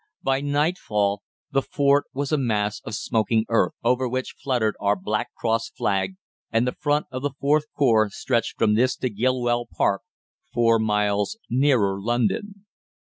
By nightfall the fort was a mass of smoking earth, over which fluttered our black cross flag, and the front of the IVth Corps stretched from this to Gillwell Park, four miles nearer London.